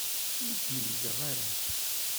Ur d-meyyzeɣ ara.